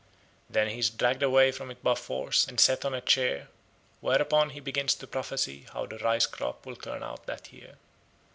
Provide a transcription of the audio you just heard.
Then he is dragged away from it by force and set on a chair, whereupon he begins to prophesy how the rice crop will turn out that year.